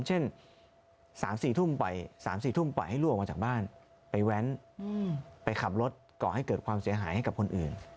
เช่น๓๔ทุ่ม๓๔ทุ่มปล่อยให้ลูกออกมาจากบ้านไปแว้นไปขับรถก่อให้เกิดความเสียหายให้กับคนอื่น